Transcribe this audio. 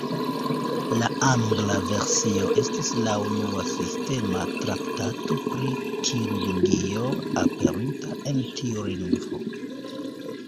La angla versio estis la unua sistema traktato pri kirurgio aperinta en tiu lingvo.